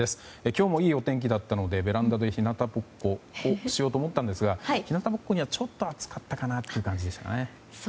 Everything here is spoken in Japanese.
今日もいいお天気だったのでベランダで日向ぼっこをしようと思ったんですが日向ぼっこには少し暑かったかなという感じでしたね。